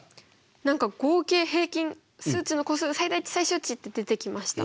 何か「合計平均数値の個数最大値最小値」って出てきました。